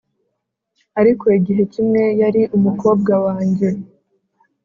ariko igihe kimwe yari umukobwa wanjye;